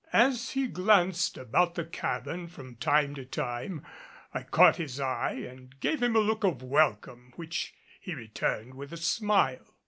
As he glanced about the cabin from time to time I caught his eye and gave him a look of welcome which he returned with a smile.